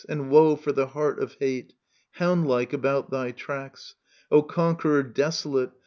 And woe for the heart of hate, Houndlike about thy tracks, O conqueror desolate.